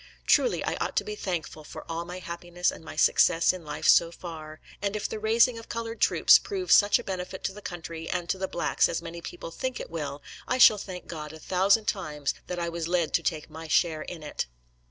Truly, I ought to be thankful for all my happiness and my success in life so far; and if the raising of colored troops prove such a benefit to the country and to the blacks as many people think it will, I shall thank God a thousand times that I was led to take my share in it.